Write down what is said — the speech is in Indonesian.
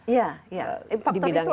ya ya faktor itu ada